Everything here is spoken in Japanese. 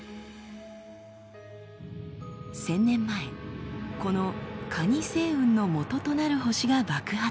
１，０００年前このかに星雲のもととなる星が爆発。